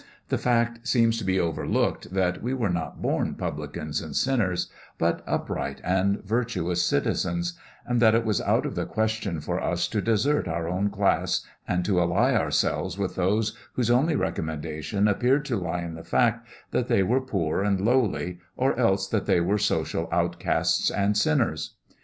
The fact seems to be overlooked that we were not born publicans and sinners, but upright and virtuous citizens, and that it was out of the question for us to desert our own class and to ally ourselves with those whose only recommendation appeared to lie in the fact that they were poor and lowly, or else that they were social outcasts and sinners.